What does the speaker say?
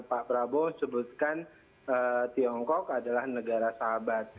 dan pak prabowo sebetulnya menyebutkan tiongkok adalah negara sahabat